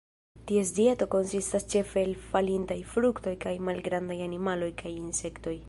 Ties dieto konsistas ĉefe el falintaj fruktoj kaj malgrandaj animaloj, kaj insektoj.